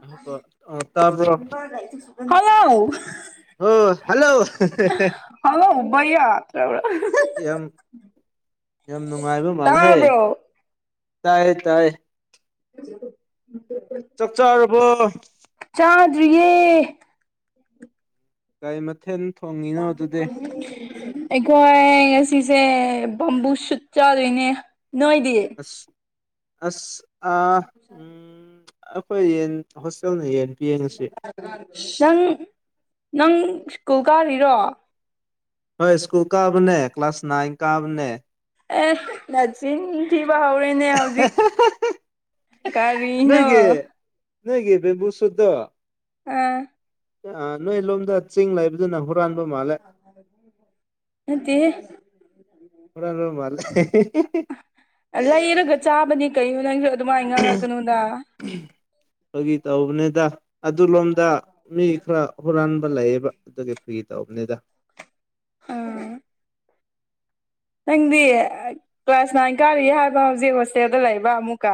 ꯑ ꯇꯥꯕ꯭ꯔꯣ ꯍꯜꯂꯣ ꯍ ꯍꯜꯂꯣ ꯍꯜꯂꯣ ꯎꯕꯩ ꯌꯥꯠꯇ꯭ꯔ [inaudible] ꯌꯥꯝ ꯌꯥꯝ ꯅꯨꯡꯉꯥꯏꯕ ꯃꯥꯜꯍꯦ ꯇꯥꯏ ꯇꯥꯏ [inaudible] ꯆꯥꯛ ꯆꯥꯔꯕꯣ ꯆꯥꯗ꯭ꯔꯤꯌꯦ ꯀꯥꯏ ꯃꯊꯦꯟ [unintelligible] ꯑꯩꯈꯣꯏ ꯉꯁꯤꯁꯦ ꯕꯝꯕꯨ ꯁꯨꯠ ꯆꯥꯗꯣꯏꯅꯦ ꯅꯣꯏꯗꯤ ꯑꯁ ꯑꯁ ꯑꯩꯈꯣꯏ ꯌꯦꯟ ꯍꯣꯁꯇꯦꯜꯅ ꯌꯦꯟ ꯄꯤꯌꯦ ꯉꯁꯤ ꯅꯪ ꯅꯪ ꯁ꯭ꯀꯨꯜ ꯀꯥꯔꯤꯔꯣ ꯍꯣꯏ ꯁ꯭ꯀꯨꯜ ꯀꯥꯕꯅꯦ ꯀ꯭ꯂꯥꯁ ꯅꯥꯏꯟ ꯀꯥꯕꯅꯦ ꯑꯦ ꯅ ꯆꯤꯟ ꯊꯤꯕ ꯍꯧꯔꯦꯅꯦ ꯍꯧꯖꯤꯛ ꯀꯔꯤꯅꯣ ꯅꯪꯒꯤ ꯕꯕꯨ ꯁꯗ ꯎꯥ ꯅꯣꯏ ꯂꯣꯝꯗ ꯆꯤꯡ ꯂꯩꯕꯗꯨꯅ ꯍꯨꯔꯥꯟꯕ ꯃꯥꯜꯂꯦ ꯑꯠꯇ ꯊꯔ ꯔꯣ ꯃꯥꯜꯂꯦ ꯂꯩꯔꯒ ꯆꯥꯕꯅꯤ ꯀꯩꯅꯣ ꯅꯪꯁꯨ ꯑꯗꯨꯃꯥꯏꯅ ꯉꯥꯡꯉꯛꯀꯅꯣꯗ ꯑꯩꯈꯣꯏꯒꯤ ꯇꯧꯕꯅꯤꯗ ꯑꯗꯨ ꯂꯣꯝꯗ ꯃꯤ ꯈꯔ ꯍꯨꯔꯥꯟꯕ ꯂꯩꯌꯦꯕ ꯑꯗꯨꯒꯤ ꯐ꯭ꯔꯤ ꯇꯧꯕꯅꯤꯗ ꯑꯥ ꯅꯪꯗꯤ ꯀ꯭ꯂꯥꯁ ꯅꯥꯏꯟ ꯀꯥꯔꯤ ꯍꯥꯏꯕ ꯍꯧꯖꯤꯛ ꯍꯣꯁꯇꯦꯜꯗ ꯂꯩꯕ꯭ꯔꯥ ꯑꯃꯨꯛꯀ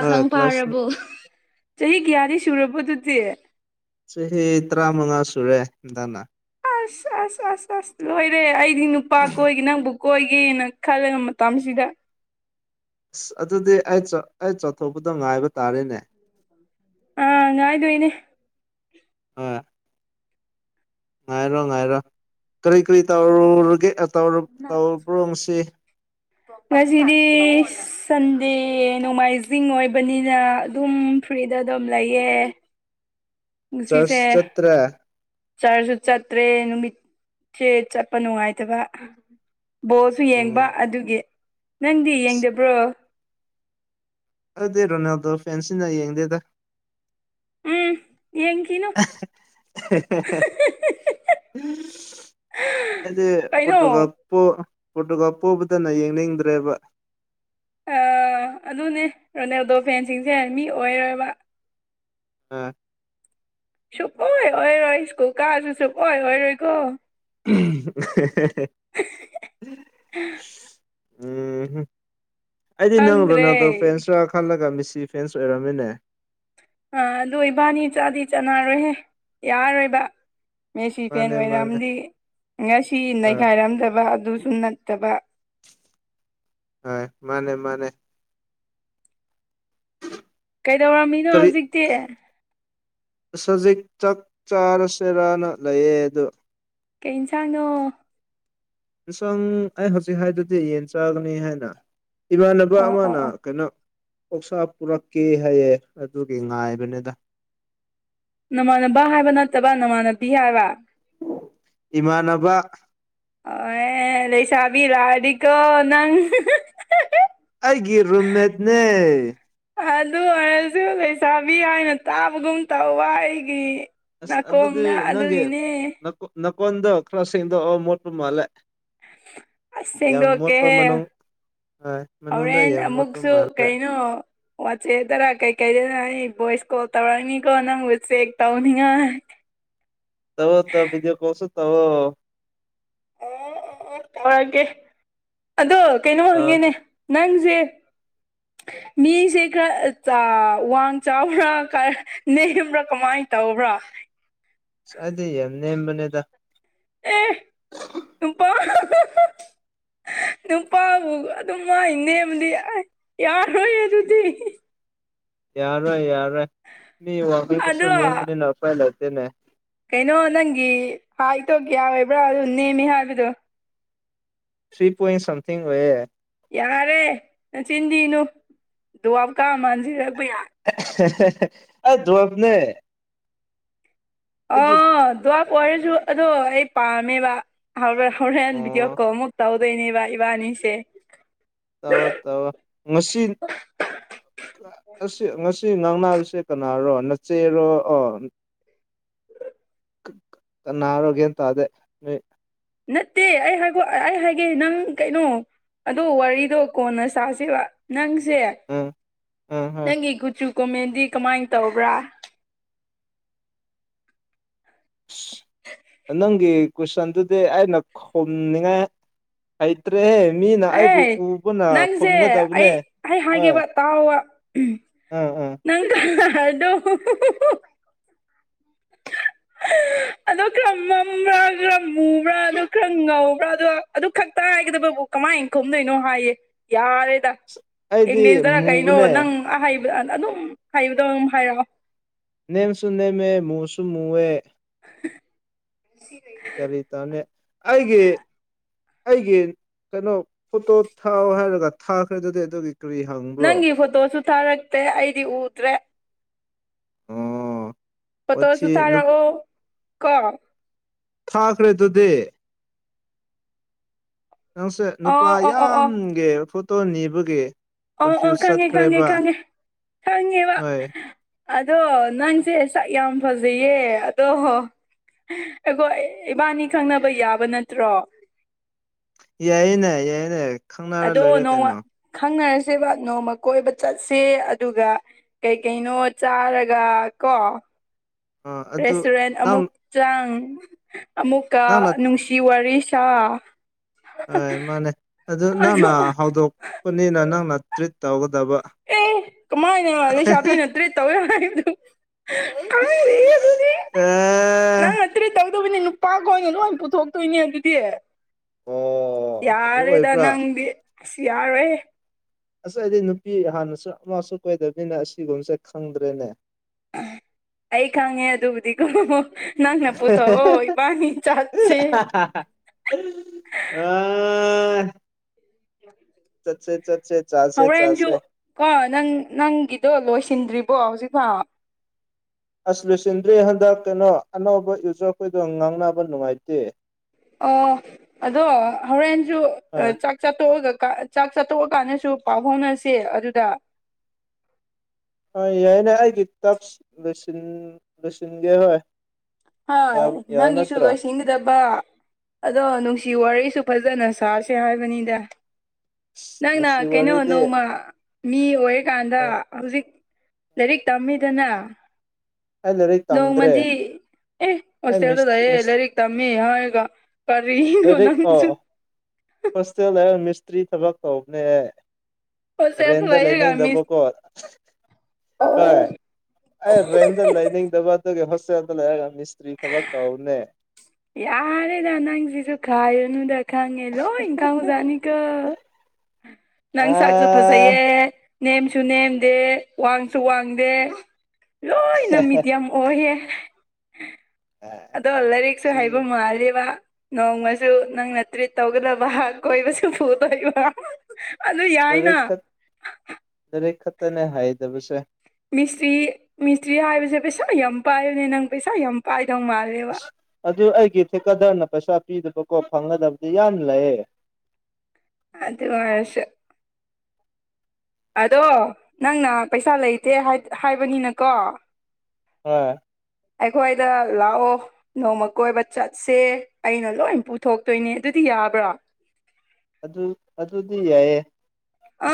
ꯍꯣꯏ ꯀ꯭ꯂꯥꯁ ꯐꯥꯔꯕꯣ ꯆꯍꯤ ꯀꯌꯥꯗꯤ ꯁꯨꯔꯕꯗꯨꯗꯤ꯫ ꯆꯍꯤ ꯇꯔꯥꯃꯉꯥ ꯁꯨꯔꯦ ꯗꯥꯅ꯫ ꯑꯁ ꯑꯁ ꯑꯁ ꯑꯁ ꯂꯣꯏꯔꯦ ꯑꯩꯗꯤ ꯅꯨꯄꯥ ꯀꯣꯏꯒꯦ ꯅꯪꯕꯨ ꯀꯣꯏꯒꯦꯅ ꯈꯜꯂꯦ ꯃꯇꯝꯁꯤꯗ꯫ ꯑꯁ ꯑꯗꯨꯗꯤ ꯑꯩ ꯑꯩ ꯆꯠꯊꯣꯛꯄꯗ ꯉꯥꯏꯕ ꯇꯥꯔꯦꯅꯦ ꯑ ꯉꯥꯏꯗꯣꯏꯅꯦ꯫ ꯑ꯫ ꯉꯥꯏꯔꯣ ꯉꯥꯏꯔꯣ ꯀꯔꯤ ꯀꯔꯤ ꯇꯧꯔꯨꯔꯒꯦ ꯇ꯭ꯔꯣꯁꯤ ꯉꯁꯤꯗꯤꯁ ꯁꯟꯗꯦ ꯅꯣꯡꯃꯥꯏꯖꯤꯡ ꯑꯣꯏꯕꯅꯤꯅ ꯑꯗꯨꯝ ꯐ꯭ꯔꯤꯗ ꯑꯗꯨꯝ ꯂꯩꯌꯦ꯫ ꯆꯔꯆ ꯨꯉꯁꯤꯁꯦ꯫ ꯆꯠꯇ꯭ꯔꯦ ꯆꯔꯁꯨ ꯆꯠꯇ꯭ꯔꯦ ꯅꯨꯃꯤꯠꯁꯦ ꯆꯠꯄ ꯅꯨꯡꯉꯥꯏꯇꯕ꯫ ꯕꯣꯜꯁꯨ ꯎꯝ ꯌꯦꯡꯕ ꯑꯗꯨꯒꯤ ꯅꯪꯗꯤ ꯑꯁ ꯌꯦꯡꯗꯕ꯭ꯔꯣ꯫ ꯑꯗꯨꯗꯦ ꯔꯣꯅꯥꯜꯗꯣ ꯐꯦꯟꯁꯤꯅ ꯌꯦꯡꯗꯦꯗ ꯎꯝ ꯌꯦꯡꯈꯤꯅꯨ ꯑꯩꯗꯤ ꯀꯩꯅꯣ ꯄꯔꯣꯇꯨꯒꯜ ꯄꯣ ꯄꯔꯣꯇꯨꯒꯜ ꯄꯣꯕꯗꯅ ꯌꯦꯡꯅꯤꯡꯗ꯭ꯔꯦꯕ ꯑ ꯑꯗꯨꯅꯦ ꯔꯣꯅꯦꯜꯗꯣ ꯐꯦꯟꯁꯤꯡꯁꯦ ꯃꯤ ꯑꯣꯏꯔꯣꯏꯕ ꯑ꯫ ꯁꯨꯛꯑꯣꯏ ꯑꯣꯏꯔꯣꯏ ꯁꯀ꯭ꯨꯜ ꯀꯥꯔꯁꯨ ꯁꯨꯛꯑꯣꯏ ꯑꯣꯏꯔꯣꯏꯀꯣ꯫ ꯎꯝ ꯑꯩꯗꯤ ꯅꯪ ꯈꯪꯗ꯭ꯔꯦ ꯔꯣꯅꯥꯜꯗꯣ ꯐ꯭ꯔꯦꯟꯁ ꯔ ꯈꯜꯂꯒ ꯃꯤꯁꯤ ꯐ꯭ꯔꯦꯟꯁ ꯑꯣꯏꯔꯝꯃꯤꯅꯦ ꯑꯥ ꯑꯗꯨꯣ ꯏꯕꯥꯅꯤ ꯆꯥꯗꯤ ꯆꯥꯟꯅꯔꯣꯏꯍꯦ ꯌꯥꯔꯔꯣꯏꯕ ꯃꯦꯁꯤ ꯐꯦꯟ ꯃꯥꯅꯦ ꯃꯥꯅꯦ ꯑꯣꯏꯔꯝꯗꯤ ꯉꯁꯤ ꯑ ꯅꯩꯈꯥꯏꯔꯝꯗꯕ ꯑꯗꯨꯁꯨ ꯅꯠꯇꯕ꯫ ꯍ ꯃꯥꯅꯦ ꯃꯥꯅꯦ ꯀꯩꯗꯧꯔꯝꯃꯤꯅꯣ ꯍꯧꯖꯤꯛꯇꯤ ꯁꯖꯤꯛ ꯆꯥꯛ ꯆꯥꯔꯁꯦꯔꯅ ꯂꯩꯌꯦ ꯑꯗꯨ꯫ ꯀꯩ ꯌꯦꯟꯁꯥꯡꯅꯣ ꯌꯦꯁꯥꯡ ꯑꯩ ꯍꯧꯖꯤꯛ ꯍꯥꯏꯗꯨꯗꯤ ꯌꯦꯟ ꯆꯥꯒꯅꯤ ꯍꯥꯏꯅ ꯏꯃꯥꯟꯅꯕ ꯑꯣ ꯑꯣ ꯑꯃꯅ ꯑꯣ ꯀꯩꯅꯣ ꯑꯣꯛꯁꯥ ꯄꯨꯔꯛꯀꯦ ꯍꯥꯏꯌꯦ ꯑꯗꯨꯒꯤ ꯉꯥꯏꯕꯅꯦꯗ ꯅꯃꯥꯟꯅꯕ ꯍꯥꯏꯕ ꯅꯠꯇꯕ ꯅꯃꯥꯟꯅꯕꯤ ꯍꯥꯏꯕ꯫ ꯏꯃꯥꯟꯅꯕ꯫ ꯑꯣ ꯑꯦ ꯂꯩꯁꯥꯕꯤꯔꯥꯔꯗꯤꯀꯣ ꯅꯪ ꯑꯩꯒꯤ ꯔꯨꯝꯃꯦꯠꯅꯦ ꯑꯗꯨ ꯑꯣꯏꯔꯁꯨ ꯂꯩꯁꯥꯕꯤ ꯍꯥꯏꯅ ꯇꯥꯕꯒꯨꯝ ꯇꯧꯕ ꯑꯩꯒꯤ꯫ ꯑꯁ ꯅꯥꯀꯣꯡꯅ ꯑꯗꯨꯒꯤꯅꯦ ꯅꯀꯣꯟꯗꯣ ꯈꯔ꯭ ꯁꯦꯡꯗꯣꯛꯑꯣ ꯃꯣꯠꯄ ꯃꯥꯂꯦ꯫ ꯑꯁ ꯁꯦꯡꯗꯣꯛꯀꯦꯍꯦ ꯃꯅꯨꯡ ꯍꯣꯏ ꯃꯅꯨꯡꯗ ꯍꯣꯔꯦꯟ ꯌꯥꯝ ꯃꯣꯠꯄ ꯑꯃꯨꯛꯁꯨ ꯃꯥꯜꯂꯦ ꯀꯩꯅꯣ꯫ ꯋꯥꯆꯦꯗꯔꯥ ꯀꯩꯀꯩꯗꯅꯣ ꯑꯩ ꯚꯣꯏꯁ ꯀꯣꯜ ꯇꯧꯔꯛꯅꯤꯀꯣ ꯅꯪꯕꯨ ꯆꯦꯛ ꯇꯧꯅꯤꯉꯥꯏ꯫ [inaudible] ꯇꯕꯣꯇ ꯕꯤꯗꯤꯑꯣ ꯀꯣꯜꯁꯨ ꯇꯧꯑꯣ꯫ ꯑꯣ ꯑꯣ ꯑꯣ ꯇꯧꯔꯛꯒꯦ ꯑꯗꯣ ꯀꯩꯅꯣ ꯇꯧ ꯍꯪꯒꯦꯅꯦ ꯇꯧ ꯅꯪꯁꯦ ꯃꯤꯁꯦ ꯈꯔ ꯆ ꯋꯥꯡ ꯆꯥꯎꯔ ꯈꯔ ꯅꯦꯝꯕ꯭ꯔꯥ ꯀꯃꯥꯏꯟ ꯇꯧꯕ꯭ꯔꯥ꯫ ꯑꯁ ꯑꯩꯗ ꯌꯥꯝ ꯅꯦꯝꯕꯅꯦꯗ꯫ ꯑꯦ ꯅꯨꯄꯥ꯫ [unintelligible] ꯅꯨꯄꯥꯕꯨ ꯑꯗꯨꯝ ꯃꯥꯏ ꯅꯦꯝꯕꯗꯤ ꯑꯥꯏ ꯌꯥꯔꯣꯏ ꯑꯗꯨꯗꯤ꯫ ꯌꯥꯔꯔꯣꯏ ꯌꯥꯔꯣꯏ ꯃꯤ ꯋꯥꯒꯔꯁꯨ ꯑꯗꯣ ꯅꯦꯝꯕꯅꯤꯅ ꯎꯄꯥꯏ ꯂꯥꯏꯇꯦꯅꯦ ꯀꯩꯅꯣ ꯅꯪꯒꯤ ꯍꯥꯏꯠ ꯇꯣ ꯀꯌꯥ ꯑꯣꯏꯕ꯭ꯔꯥ ꯑꯗꯨ ꯅꯦꯝꯃꯦ ꯍꯥꯏꯕꯗꯣ꯫ ꯊꯔ꯭ꯤ ꯄꯣꯏꯟ ꯁꯝꯊꯤꯡ ꯑꯣꯏꯌꯦ꯫ ꯌꯥꯔꯦ ꯅꯆꯤꯟꯊꯤꯒꯅꯨ ꯗꯨꯋꯥꯞꯀꯥ ꯃꯥꯟꯁꯤꯔꯛꯄ ꯌꯥꯔꯦ꯫ ꯍꯥ ꯍꯥ ꯑꯥ ꯗꯋ꯭ꯥꯞꯅꯦ꯫ ꯑꯧ ꯗꯋ꯭ꯥꯞ ꯑꯣꯏꯔꯁꯨ ꯑꯗꯣ ꯑꯩ ꯄꯥꯝꯃꯦꯕ ꯍꯥꯏꯕꯔ꯭꯫ ꯍꯣꯔꯦꯟ ꯚꯗꯤꯑꯣ ꯑꯣ ꯀꯣꯜꯃꯨꯛ ꯇꯧꯗꯣꯏꯅꯦꯕ ꯏꯕꯥꯅꯤꯁꯦ꯫ ꯇꯧꯔꯣ ꯇꯧꯔꯣ ꯉꯁꯤꯟ ꯑꯁꯤ ꯉꯁꯤ ꯉꯥꯡꯅꯕꯁꯦ ꯀꯅꯥꯔꯣ ꯅꯆꯦꯔꯣ ꯑꯣ꯫ ꯀ ꯀꯅꯥꯔꯣ ꯒꯌ꯭ꯥꯟ ꯇꯗꯦ ꯅꯠꯇꯦ ꯑꯩ ꯍꯥꯏꯈꯣ ꯑꯩ ꯍꯥꯏꯒꯦ ꯅꯪ ꯀꯩꯅꯣ ꯑꯗꯨ ꯋꯥꯔꯤꯗꯣ ꯀꯣꯟꯅ ꯁꯥꯁꯦꯕ ꯅꯪ ꯁꯦ ꯎꯝ ꯎꯝ ꯍꯣꯏ ꯅꯪꯒꯤ ꯀꯒꯨꯆꯨ ꯀꯣꯃꯦꯟꯗꯤ ꯀꯃꯥꯏꯅ ꯇꯧꯕ꯭ꯔꯥ ꯑꯁ ꯅꯪꯒꯤ ꯀꯨꯏꯁꯟꯗꯨꯗꯤ ꯑꯩꯅ ꯈꯨꯝꯅꯤꯡꯉꯥꯏ꯫ ꯍꯩꯇ꯭ꯔꯦꯍ ꯃꯤꯅ ꯑꯩꯕꯨ ꯑꯦ ꯎꯕꯅ ꯅꯪꯁꯦ ꯑꯩ ꯈꯨꯝꯒꯗꯕꯅꯦ ꯑꯩ ꯍꯣꯏ ꯍꯥꯏꯒꯦꯕ ꯇꯥꯎꯕ ꯎꯝ ꯎꯝ ꯅꯪ ꯉꯍꯥꯜꯗꯣ [unintelligible] ꯑꯗꯣ ꯈꯔ ꯃꯝꯕ꯭ꯔꯥ ꯈꯔ ꯃꯨꯕ꯭ꯔꯥ ꯑꯗꯨ ꯈꯔ ꯉꯧꯕ꯭ꯔꯥꯗꯣ ꯑꯗꯨ ꯈꯛꯇ ꯍꯥꯏꯒꯗꯕꯕꯨ ꯀꯃꯥꯏꯅ ꯈꯨꯝꯗꯣꯏꯅꯣ ꯍꯥꯏꯌꯦ ꯌꯥꯔꯦꯗ ꯑꯁ ꯑꯩꯗꯤ ꯏꯪꯂꯤꯁꯗꯔ ꯀꯩꯅꯣ ꯃꯨꯕꯅꯦ ꯅꯪ ꯑꯍꯩꯕ ꯑ ꯑꯗꯨꯝ ꯍꯩꯕꯗꯣꯝ ꯍꯥꯏꯔꯛꯑꯣ ꯅꯦꯝꯁꯨ ꯅꯦꯝꯃꯦ ꯃꯨꯁꯨ ꯃꯨꯌꯦ [unintelligible] ꯇꯅꯦ ꯑꯩꯒꯤ꯫ ꯑꯩꯒꯤ ꯀꯩꯅꯣ ꯐꯣꯇꯣ ꯊꯥꯎ ꯍꯥꯏꯔꯒ ꯊꯥꯈ꯭ꯔꯦ ꯑꯗꯨꯗꯤ ꯑꯗꯨꯒꯤ ꯀꯔꯤ ꯍꯪꯕ꯭ꯔꯣ ꯅꯪꯒꯤ ꯐꯣꯇꯣꯁꯨ ꯊꯥꯔꯛꯇꯦ ꯑꯩꯗꯤ ꯎꯇꯗ꯭ꯔꯦ ꯑꯣ ꯐꯣꯇꯣꯁꯨ ꯋꯥꯊꯤ ꯅꯨ ꯊꯥꯔꯛꯑꯣ ꯀꯣ ꯊꯥꯈꯔꯦ ꯗꯨꯗꯤ ꯅꯪꯁꯦ ꯅꯨꯄꯥ ꯑꯣ ꯑꯣ ꯑꯣ ꯑꯣ ꯌꯥꯝꯒꯦ ꯐꯣꯇꯣ ꯅꯤꯕꯒꯤ꯫ ꯑꯣ ꯑꯣ ꯀꯣꯟꯐ꯭ꯌꯨꯁ ꯈꯪꯉꯦ ꯈꯪꯉꯦ ꯆꯠꯈ꯭ꯔꯦꯕ ꯈꯪꯉꯦ ꯈꯪꯉꯦꯕ꯫ ꯍꯣꯏ ꯑꯗꯣ ꯅꯪꯁꯦ ꯁꯛ ꯌꯥꯝ ꯐꯖꯩꯌꯦ ꯑꯗꯣ ꯑꯩꯈꯣ ꯏꯕꯥꯅꯤ ꯈꯪꯅꯕ ꯌꯥꯕ ꯅꯠꯇ꯭ꯔꯣ꯫ ꯌꯥꯏꯅ ꯌꯥꯏꯅ꯫ ꯑꯗꯣ ꯅꯣꯡꯃ ꯈꯪꯅꯔꯁꯦꯕ ꯅꯣꯡꯃ ꯀꯣꯏꯕ ꯆꯠꯁꯦ ꯑꯗꯨꯒ ꯀꯩꯀꯩꯅꯣ ꯆꯥꯔꯒ ꯀꯣ ꯑꯥ ꯑꯗꯨ ꯔꯦꯁꯇꯨꯔꯦꯟ ꯅꯪ ꯑꯃꯨꯛ ꯆꯪ ꯑꯃꯨꯛꯀ ꯅꯪꯅ ꯅꯨꯡꯁꯤ ꯋꯥꯔꯤ ꯁꯥ ꯃꯥꯅꯦ ꯑꯗꯨ ꯅꯪꯅ ꯍꯧꯗꯣꯛꯄꯅꯤꯅ ꯅꯪꯅ ꯇ꯭ꯔꯤꯠ ꯇꯧꯒꯗꯕ꯫ ꯑꯦ ꯀꯃꯥꯏꯅ ꯂꯩꯁꯥꯕꯤꯅꯇ꯭ꯔꯤꯠ ꯇꯧꯋꯦ ꯍꯥꯏꯕ꯭ꯔꯗ ꯑꯥ ꯅꯪꯅ ꯇ꯭ꯔꯤꯠ ꯇꯧꯗꯕꯅꯦ ꯅꯨꯄꯥꯈ ꯈꯣꯏꯅ ꯂꯣꯏ ꯄꯨꯊꯣꯛꯇꯣꯏꯅꯦ ꯑꯗꯨꯗꯤ ꯑꯣ ꯑꯗꯨ ꯌꯥꯔꯦꯗ ꯑꯣꯏꯕ꯭ꯔꯥ ꯅꯪꯗꯤ ꯑꯁ ꯌꯥꯔꯣꯏꯍꯦ꯫ ꯑꯁ ꯑꯩꯗꯤ ꯅꯨꯄꯤ ꯍꯥꯟꯅꯁꯨ ꯑꯃꯁꯨ ꯀꯣꯏꯗꯕꯅꯤꯅ ꯑꯁꯤꯒꯨꯝꯕꯁꯦ ꯈꯪꯗ꯭ꯔꯦꯅꯦ ꯎꯝ ꯑꯩ ꯈꯪꯉꯦ ꯑꯗꯨꯕꯨꯗꯤ ꯀꯣ ꯅꯪꯅ ꯄꯨꯊꯣꯛꯑꯣ ꯏꯕꯥꯅꯤ ꯆꯥꯠꯁꯦ꯫ ꯑꯥ [inaudible] ꯆꯠꯁꯦ ꯆꯠꯁꯦ ꯆꯥꯁꯦ ꯍꯣꯔꯦꯟꯁꯨ ꯆꯥꯁꯦ ꯀꯣ ꯅꯪ ꯅꯪꯒꯤꯗꯣ ꯂꯣꯏꯁꯤꯟꯗ꯭ꯔꯤꯕꯣ ꯍꯧꯖꯤꯛꯐꯥꯎ꯫ ꯑꯁ ꯂꯣꯏꯁꯤꯟꯗ꯭ꯔꯦ ꯍꯟꯗꯛ ꯀꯩꯅꯣ ꯑꯅꯧꯕ ꯌꯨꯖꯔꯈꯣꯏꯗꯣ ꯉꯥꯡꯅꯕ ꯅꯨꯡꯉꯥꯏꯇꯦ꯫ ꯑꯣ ꯑꯗꯣ ꯍꯧꯔꯦꯟꯁꯨ ꯑ ꯍꯣꯏ ꯆꯥꯛ ꯆꯥꯛꯇꯣꯛꯑꯒ ꯀꯥꯟ ꯆꯥꯛ ꯆꯥ ꯇꯣꯛꯑꯀꯥꯟꯗꯁꯨ ꯄꯥꯎ ꯐꯥꯎꯅꯁꯦ ꯑꯗꯨꯗ ꯍꯣꯏ ꯌꯥꯏꯅꯦ ꯑꯩꯒꯤ ꯇꯥꯛꯁ ꯂꯣꯏꯁꯤꯟ ꯂ‌ꯣꯏꯁꯤꯟꯒꯦ [unintelligible] ꯍ‌ꯣꯏ ꯅꯪꯒꯤꯁꯨꯨ ꯂꯣꯏꯁꯤꯟꯒꯗꯕ ꯑꯗꯣ ꯅꯨꯡꯁꯤ ꯋꯥꯔꯤꯁꯨ ꯐꯖꯅ ꯁꯥꯁꯦ ꯍꯥꯏꯕꯅꯤꯗ ꯑꯁ ꯅꯪꯅ ꯅꯨꯡꯁꯤ ꯋꯥꯔꯤꯗꯤ ꯀꯩꯅꯩꯗ‌ꯣ ꯃꯥ ꯃꯤ ꯑꯣꯏꯔꯀꯥꯟꯗ ꯑꯩ ꯍꯧꯖꯤꯛ ꯂꯥꯏꯔꯤꯛ ꯇꯝꯃꯤꯗꯅ ꯂꯥꯏꯔꯤꯛ ꯇꯝꯗ꯭ꯔꯦ ꯅꯣꯡꯃꯗꯤ ꯑꯦ ꯑꯩ ꯍꯣꯁꯇꯦꯜꯗ ꯃꯤꯁ ꯂꯩꯌꯦ ꯃꯤꯁ ꯂꯥꯏꯔꯤꯛ ꯇꯝꯃꯤ ꯍꯥꯏꯔꯒ ꯀꯔꯤ꯫ ꯂꯥꯏꯔꯤꯛ ꯑꯥ ꯍꯣꯁꯇꯦꯜꯗ ꯑ ꯃꯤꯁꯇ꯭ꯔꯤ ꯊꯕꯛ ꯇꯧꯕꯅꯦ ꯍꯣꯁꯇꯦꯜꯗ ꯔꯦꯟꯗ ꯂꯩꯔꯒ ꯃꯤꯁ ꯂꯩꯅꯤꯡꯗꯕ ꯀꯣ ꯍꯣꯏ ꯑꯩ ꯔꯦꯟꯗ ꯂꯩꯅꯤꯡꯗꯕ ꯑꯗꯨꯒꯤ ꯍꯣꯁꯇꯦꯜꯗ ꯂꯩꯔꯒ ꯃꯤꯁꯇ꯭ꯔꯤ ꯊꯕꯛ ꯇꯧꯅꯦ ꯌꯥꯔꯦꯗ ꯅꯥꯪꯁꯤꯁꯨ ꯈꯥꯏꯔꯅꯨꯗ ꯈꯪꯉꯦ ꯂꯣꯏꯅ ꯈꯪꯕꯖꯠꯅꯤ ꯖꯠꯅꯤꯀꯣ ꯅꯪ ꯁꯛꯁꯨ ꯑꯥ ꯐꯖꯩꯌꯦ ꯅꯦꯝꯁꯨ ꯅꯦꯝꯗꯦ ꯋꯥꯡꯁꯨ ꯋꯥꯡꯗꯦ ꯂꯣꯏꯅ ꯃꯤꯗꯤꯌꯝ ꯑꯣꯏꯌꯦ ꯑꯗꯣ ꯂꯥꯏꯔꯤꯛꯁꯨ ꯁꯤ ꯍꯩꯏꯕ ꯃꯥꯜꯂꯦꯕ ꯅꯣꯡꯃꯁꯨ ꯅꯪꯅ ꯇ꯭ꯔꯤꯠ ꯇꯧꯒꯗꯕ ꯀꯣꯏꯕꯁꯨ ꯄꯨꯗꯣꯏꯕ ꯑꯗꯨ ꯌꯥꯏꯅ ꯂꯔꯤꯛ ꯈꯛ ꯂꯔꯤꯛ ꯈꯛꯇꯅꯦ ꯍꯥꯏꯗꯕꯁꯦ ꯃꯤꯁꯇ꯭ꯔꯤ ꯃꯤꯁꯇ꯭ꯔꯤ ꯍꯥꯏꯕꯁꯦ ꯄꯩꯁꯥ ꯌꯥꯝ ꯄꯥꯏꯕꯅꯦ ꯅꯪ ꯄꯩꯁꯥ ꯌꯥꯝ ꯄꯥꯏꯗꯧ ꯃꯥꯜꯂꯦ ꯑꯗꯨ ꯑꯩꯒꯤ ꯊꯦꯀꯗꯔꯅ ꯄꯩꯁꯥ ꯄꯤꯗꯕꯀꯣ ꯐꯪꯒꯗꯕꯗꯤ ꯌꯥꯝ ꯂꯩꯌꯦ ꯑꯗꯨ ꯑꯣꯏꯔꯁꯨ ꯑꯗꯣ ꯅꯪꯅ ꯄꯩꯁꯥ ꯂꯩꯇꯦ ꯍꯥꯏ ꯍꯥꯏꯕꯅꯤꯅꯀꯣ ꯍ‌ꯣꯏ ꯑꯩꯈꯣꯏꯗ ꯂꯥꯛꯑꯣ ꯅꯣꯡꯃ ꯀꯣꯏꯕ ꯆꯠꯁꯦ ꯑꯩꯅ ꯂꯣꯏ ꯄꯨꯊꯣꯛꯇꯣꯏꯅꯦ ꯑꯗꯨꯗꯤ ꯌꯥꯕ꯭ꯔꯥ ꯑꯗꯨ ꯑꯗꯨꯗꯤ ꯌꯥꯏꯌꯦ [unintelligible]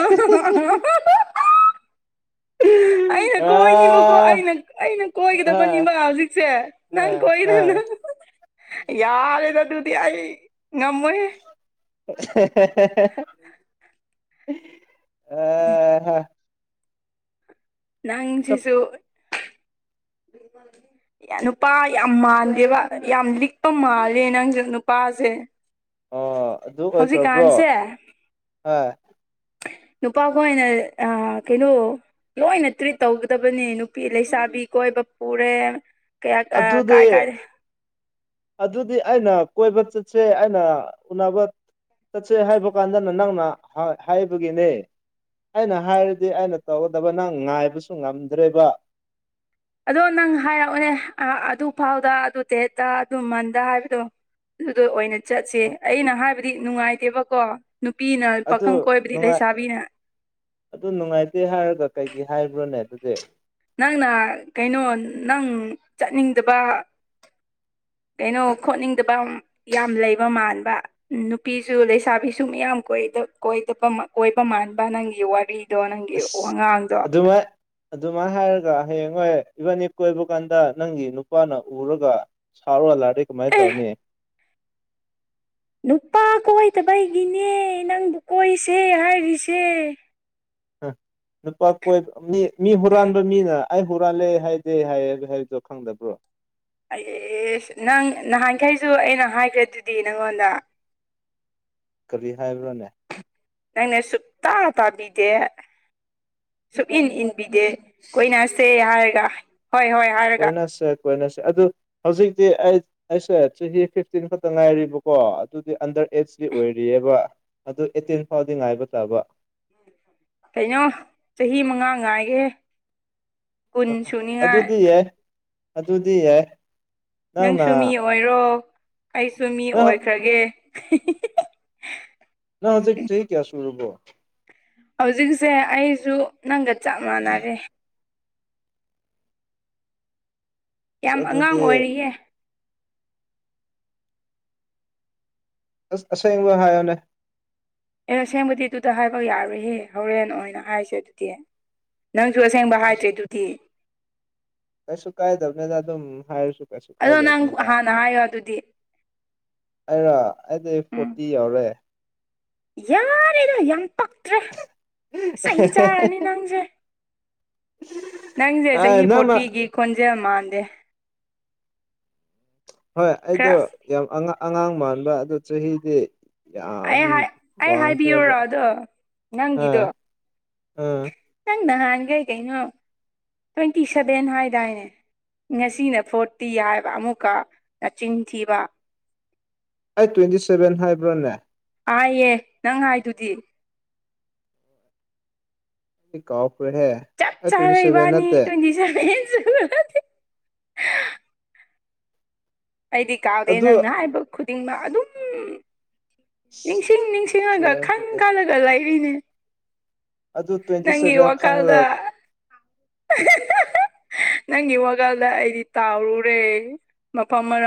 ꯑꯩꯅ ꯀꯣꯏꯅꯤꯕꯀꯣ ꯑꯥ ꯑꯩꯅ ꯑꯩꯅ ꯍꯣꯏ ꯀꯣꯏꯒꯗꯕꯅꯤꯕ ꯍꯧꯖꯤꯛꯁꯦ ꯅꯪ ꯍꯣꯏ ꯀꯣꯏꯗ ꯍꯣꯏ [unintelligible] ꯌꯥꯔꯦꯗ ꯑꯗꯨꯗꯤ ꯑꯩ ꯉꯝꯃꯣꯏ [unintelligible] ꯆꯞ ꯅꯪꯁꯤꯁꯨ [unintelligible] ꯌꯥ ꯅꯨꯄꯥ ꯌꯥꯝ ꯃꯥꯟꯗꯦꯕ ꯌꯥꯝ ꯂꯤꯛꯄ ꯃꯥꯜꯂꯦ ꯅꯪꯖ‌ꯦ ꯅꯨꯄꯥꯁꯦ ꯑꯣ ꯑꯗꯨ ꯍꯧꯖꯤꯛ ꯑꯣꯏꯈ꯭ꯔꯕ꯭ꯔꯣ ꯀꯥꯟꯁꯦ ꯍꯣꯏ ꯅꯨꯄꯥꯈ‌ꯣꯏꯅ ꯑ ꯀꯩꯅꯣ ꯂꯣꯏꯅ ꯇ꯭ꯔꯤꯠ ꯇꯧꯒꯗꯕꯅꯦ ꯅꯨꯄꯤ ꯂꯩꯁꯥꯕꯤ ꯀꯣꯏꯕ ꯄꯨꯔꯦ ꯀꯌꯥ ꯀꯌꯥ ꯑꯗꯨꯗꯤ ꯀꯥꯏ ꯀꯥꯏ ꯑꯗꯨꯗꯤ ꯑꯩꯅ ꯀꯣꯏꯕ ꯆꯠꯁꯦ ꯑꯩꯅ ꯎꯅꯕ ꯆꯠꯁꯦ ꯍꯥꯏꯕ ꯀꯥꯟꯗꯅ ꯅꯪꯅ ꯍꯥ ꯍꯥꯏꯕꯒꯤꯅꯦ ꯑꯩꯅ ꯍꯥꯏꯔꯗꯤ ꯑꯩꯅ ꯇꯧꯒꯗꯕ ꯅꯪ ꯉꯥꯏꯕꯁꯨ ꯉꯝꯗ꯭ꯔꯦꯕ ꯑꯗꯣ ꯅꯪ ꯍꯥꯏꯔꯛꯎꯅꯦ ꯑꯥ ꯑꯗꯨ ꯐꯥꯎꯗ ꯑꯗꯨ ꯗ‌ꯦꯠꯇ ꯑꯗꯨ ꯃꯟꯗ ꯍꯥꯏꯕꯗꯣ ꯑꯗꯨꯗꯣ ꯑꯣꯏꯅ ꯆꯠꯁꯦ ꯑꯩꯅ ꯍꯥꯏꯕꯗꯤ ꯅꯨꯡꯉꯥꯏꯇꯦꯕꯀꯣ ꯅꯨꯄꯤꯅ ꯑꯗꯨ ꯄꯥꯈꯪ ꯀꯣꯏꯕꯗꯤ ꯅꯨꯡꯉꯥꯏ ꯂꯩꯁꯥꯕꯤꯅ ꯑꯗꯨ ꯅꯨꯡꯉꯥꯏꯇꯦ ꯍꯥꯏꯔꯒ ꯀꯩꯒꯤ ꯍꯥꯏꯕ꯭ꯔꯣꯅꯦ ꯑꯗꯨꯗꯤ ꯅꯪꯅ ꯀꯩꯅꯣ ꯅꯪ ꯆꯠꯅꯤꯡꯗꯕ ꯀꯩꯅꯣ ꯈꯣꯠꯅꯤꯡꯗꯕ ꯌꯥꯝ ꯂꯩꯕ ꯃꯥꯟꯕ ꯅꯨꯄꯤꯁꯨ ꯂꯩꯁꯥꯕꯤꯁꯨ ꯃꯌꯥꯝ ꯀꯣꯏꯗ ꯀ‌ꯣꯏꯗꯕ ꯀ‌ꯣꯏꯕ ꯃꯥꯟꯕ ꯅꯪꯒꯤ ꯋꯥꯔꯤ ꯗꯣ ꯅꯪꯒꯤ ꯑꯁ ꯋꯥꯉꯥꯡꯗꯣ ꯑꯗꯨꯃꯥꯏ ꯍꯥꯏꯔꯒ ꯍꯌꯦꯡ ꯍꯣꯏ ꯏꯚꯥꯅꯤ ꯀꯣꯏꯕ ꯀꯥꯟꯗ ꯅꯪꯒꯤ ꯅꯨꯄꯥꯅ ꯎꯔꯒ ꯁꯥꯎꯔ ꯍꯜꯂꯛꯑꯗꯤ ꯀꯃꯥꯏ ꯑꯦ ꯇꯧꯅꯤ ꯅꯨꯄꯥ ꯀꯣꯏꯗꯕꯩꯒꯤꯅꯦ ꯅꯪꯕꯨ ꯀꯣꯏꯁꯦ ꯍꯥꯏꯔꯤꯁꯦ ꯎ ꯂꯨꯄꯥ ꯀꯣꯏꯕ ꯃꯤ ꯃꯤ ꯍꯨꯔꯥꯟꯕ ꯃꯤꯅ ꯑꯩ ꯍꯨꯔꯥꯜꯂꯦ ꯍꯥꯏꯗꯦ ꯍꯥꯏ ꯍꯥꯏꯗꯣ ꯈꯪꯗꯕ꯭ꯔꯣ ꯑꯦꯁ ꯅꯪ ꯅꯍꯥꯟꯈꯩꯁꯨ ꯑꯩꯅ ꯍꯥꯏꯈ꯭ꯔꯦ ꯑꯗꯨꯗꯤ ꯅꯪꯉꯣꯟꯗ ꯀꯔꯤ ꯍꯥꯏꯕ꯭ꯔꯣꯅꯦ ꯅꯪꯅ ꯁꯨꯇꯥ ꯇꯥꯕꯤꯗꯦ ꯁꯨꯛ ꯏꯟ ꯏꯟꯕꯤꯗꯦ ꯀꯣꯏꯅꯁꯦ ꯍꯥꯏꯔꯒ ꯍꯣꯏ ꯍꯣꯏ ꯍꯥꯏꯔꯒ ꯀꯣꯏꯅꯁꯦ ꯀꯣꯏꯅꯁꯦ ꯑꯗꯨ ꯍꯧꯖꯤꯛꯇꯤ ꯑꯩ ꯑꯩꯁꯦ ꯆꯍꯤ ꯐꯤꯐꯇꯤꯟ ꯈꯛꯇ ꯉꯥꯏꯔꯤꯕꯀꯣ ꯑꯗꯨꯗꯤ ꯑꯟꯗꯔ ꯑꯦꯖꯀꯤ ꯑꯣꯏꯔꯤꯑꯕ ꯑꯗꯨ ꯑꯦꯇꯤꯟ ꯐꯥꯎꯗꯤ ꯉꯥꯏꯕ ꯇꯥꯕ [inaudible] ꯀꯩꯅꯣ ꯆꯍꯤ ꯃꯉꯥ ꯉꯥꯏꯒꯦ ꯀꯨꯟ ꯑ ꯁꯨꯅꯤꯉꯥꯏ ꯑꯗꯨꯗꯤ ꯌꯥꯏ ꯑꯗꯨꯗꯤ ꯌꯥꯏ ꯅꯪꯅ ꯅꯪꯁꯨ ꯃꯤ ꯑꯣꯏꯔꯣ ꯑꯩꯁꯨ ꯃꯤ ꯅꯪ ꯑꯣꯏꯈ꯭ꯔꯒꯦ ꯅꯪ ꯍꯧꯖꯤꯛ ꯆꯍꯤ ꯀꯌꯥ ꯁꯨꯔꯕꯣ ꯍꯧꯖꯤꯛꯁꯦ ꯑꯩꯖꯨ ꯅꯪꯒ ꯆꯞ ꯃꯥꯟꯅꯔꯦ ꯑꯁ ꯌꯥꯝ ꯑꯉꯥꯡ ꯑꯗꯨꯗꯤ ꯑꯣꯏꯔꯤꯌꯦ ꯑꯁ ꯑꯁꯦꯡꯕ ꯍꯥꯏꯌꯣꯅꯦ ꯑꯦ ꯑꯁꯦꯡꯕꯗꯤ ꯑꯗꯨꯗ ꯍꯥꯏꯕ ꯌꯥꯔꯨꯍꯦ ꯍꯣꯔꯦꯟ ꯑꯣꯏꯅ ꯍꯥꯏꯁꯦ ꯑꯗꯨꯗꯤ ꯅꯪꯁꯨ ꯑꯁꯦꯡꯕ ꯍꯥꯏꯗ꯭ꯔꯦ ꯑꯗꯨꯗꯤ ꯀꯩꯁꯨ ꯀꯥꯏ ꯊꯝꯃꯦ ꯊ ꯑꯗꯨ ꯍꯥꯏꯔꯁꯨ ꯀꯩꯁꯨ ꯑꯗꯣ ꯅꯪ ꯀꯥꯏꯗꯕꯅꯤꯗ ꯍꯥꯟꯅ ꯍꯥꯏꯌꯣ ꯑꯗꯨꯗꯤ ꯑꯩꯔꯥ ꯑꯩꯗꯤ ꯎꯝ ꯐꯣꯔꯇꯤ ꯌꯥꯎꯔꯦ ꯌꯥꯔꯦꯗ ꯌꯥꯝ ꯄꯛꯇ꯭ꯔꯦ ꯆꯩ ꯆꯥꯔꯅꯤ ꯅꯪꯁꯦ [unintelligible] ꯅꯪꯁꯦ ꯆꯍꯤ ꯅꯪꯅ ꯐꯣꯔꯇꯤꯒꯤ ꯈꯣꯟꯖꯦꯜ ꯃꯥꯟꯗꯦ ꯍꯣꯏ ꯑꯩꯗꯣ ꯈꯔ ꯌꯥꯝ ꯑꯉꯥꯡ ꯃꯥꯟꯕ ꯑꯗꯨ ꯆꯍꯤꯗꯤ ꯌꯥꯝ ꯑꯩ ꯍꯥꯏ ꯑꯩ ꯍꯥꯏꯕꯤꯌꯨꯔꯣ ꯋꯥꯡꯈ꯭ꯔꯦꯕ ꯑꯗꯣ ꯑ ꯅꯪꯒꯤꯗꯣ ꯑꯥ ꯅꯪ ꯅꯍꯥꯟ ꯈꯩ ꯀꯩꯅꯣ ꯇ꯭ꯋꯦꯟꯇꯤ ꯁꯦꯚꯦꯟ ꯍꯥꯏꯗꯥꯏꯅꯦ ꯉꯁꯤꯅ ꯐꯣꯔꯠꯇꯤ ꯌꯥꯏꯕ ꯑꯃꯨꯛꯀ ꯅꯆꯤꯟꯊꯤꯕ ꯑꯩ ꯇ꯭ꯋꯦꯟꯇꯤ ꯁꯦꯚꯦꯟ ꯍꯥꯏꯕ꯭ꯔꯥꯅꯦ ꯑꯥꯏꯌꯦꯦ ꯅꯪ ꯍꯥꯏꯗꯨꯗꯤ ꯀꯥꯎꯒ꯭ꯔꯦ ꯍꯦ ꯆꯞ ꯆꯥꯔꯦ ꯏꯕꯥꯅꯤ ꯇ꯭ꯋꯦꯟꯇꯤ ꯁꯚꯦꯟ ꯑꯩꯗꯤ ꯀꯥꯎꯗꯦ ꯑꯗꯨ ꯅꯪꯅ ꯍꯥꯏꯕ ꯈꯨꯗꯤꯡꯃꯛ ꯑꯗꯨꯝ ꯅꯤꯡꯁꯤꯡ ꯅꯤꯡꯁꯤꯡꯉꯒ ꯈꯟ ꯀꯥꯜꯂꯒ ꯂꯩꯔꯤꯅꯦ ꯑꯗꯨ ꯇ꯭ꯋꯦꯟꯇꯤ ꯅꯪꯒꯤ ꯁꯦꯚꯦꯟ ꯈꯪꯂꯒ ꯋꯥꯈꯜꯗ ꯅꯪ ꯏꯒꯂ ꯑꯩꯗꯤ ꯇꯥꯎꯔꯦ ꯃꯐꯝꯃꯔ